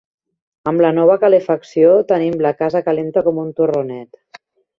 Amb la nova calefacció, tenim la casa calenta com un torronet.